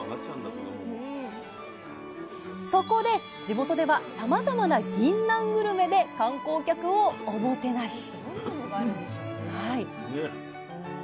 そこで地元ではさまざまな「ぎんなんグルメ」で観光客をおもてなし